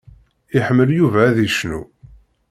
Iḥemmel Yuba ad icnu.